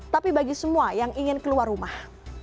tapi bagi semua yang ingin keluar rumah